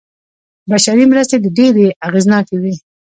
بشري مرستې ډېرې اغېزناکې وې.